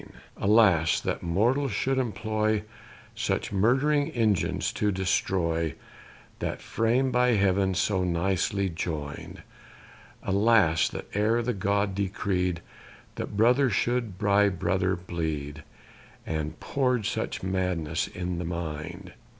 Alas! that mortals should employ Such murdering engines to destroy That frame by heaven so nicely join'd; Alas! that e'er the god decreed That brother should by brother bleed, And pour'd such madness in the mind.